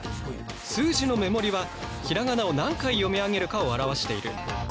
数字の目盛はひらがなを何回読み上げるかを表している。